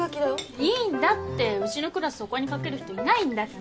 いいんだってうちのクラス他に描ける人いないんだから。